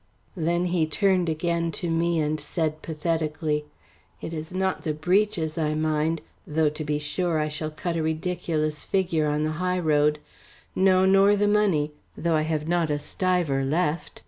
Then he turned again to me, and said pathetically, "It is not the breeches I mind, though to be sure I shall cut a ridiculous figure on the highroad; no, nor the money, though I have not a stiver left.